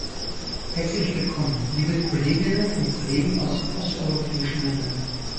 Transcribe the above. Herzlich willkommen, liebe Kolleginnen und Kollegen aus den osteuropäischen Ländern!